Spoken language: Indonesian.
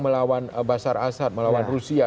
melawan basar asar melawan rusia